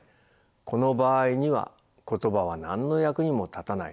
この場合には言葉は何の役にも立たない。